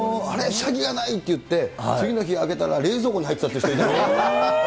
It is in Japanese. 下着がないっていって、次の日開けたら冷蔵庫に入ってたっていう人いた。